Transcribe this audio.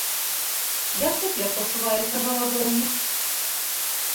Як цяпер пачуваецца галадоўнік?